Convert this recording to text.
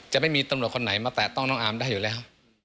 จะไม่มีตำรวจคนไหนมาแตะต้องน้องอาร์มได้อยู่แล้ว